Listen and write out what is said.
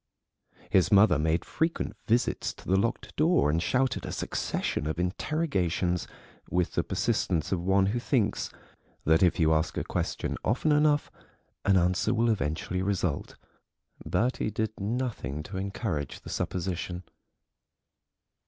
His mother made frequent visits to the locked door and shouted a succession of interrogations with the persistence of one who thinks that if you ask a question often enough an answer will eventually result. Bertie did nothing to encourage the supposition.